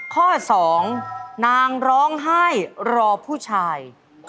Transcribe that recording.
ข้อ๒นางร้องไห้รอผู้ชาย